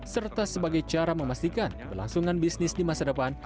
serta sebagai cara memastikan kelangsungan bisnis di masa depan